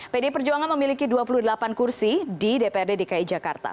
pdi perjuangan memiliki dua puluh delapan kursi di dprd dki jakarta